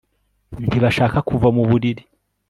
ntibashaka kuva mu buriri